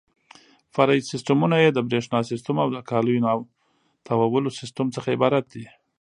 فرعي سیسټمونه یې د برېښنا سیسټم او د کالیو تاوولو سیسټم څخه عبارت دي.